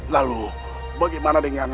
lalu bagaimana dengan